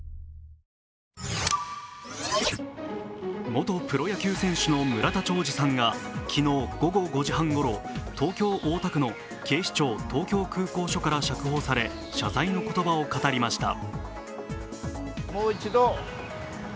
元プロ野球選手の村田兆治さんが昨日午後５時半ごろ東京・大田区の警視庁東京空港署から釈放され謝罪の言葉を語りました。